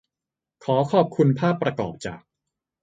ขอขอบคุณภาพประกอบจาก